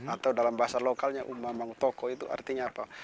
atau dalam bahasa lokalnya umamang toko itu artinya apa